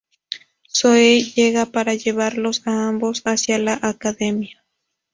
Zoe llega para llevarlos a ambos hacia la Academia.